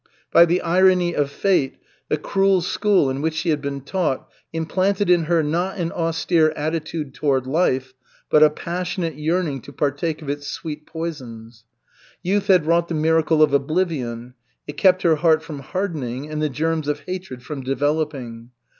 By the irony of fate, the cruel school in which she had been taught implanted in her not an austere attitude toward life, but a passionate yearning to partake of its sweet poisons. Youth had wrought the miracle of oblivion, it kept her heart from hardening and the germs of hatred from developing.